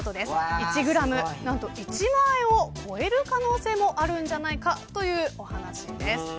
１グラム１万円を超える可能性もあるんじゃないかというお話です。